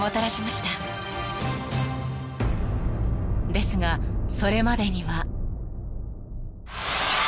［ですがそれまでには］